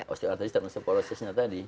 osteoartritis dan osteoporosisnya tadi